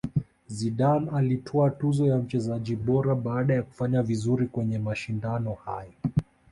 zidane alitwaa tuzo ya mchezaji bora baada ya kufanya vizuri kwenye mashindano hayo